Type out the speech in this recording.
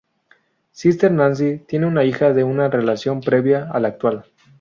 Sister Nancy tiene una hija de una relación previa a la actual.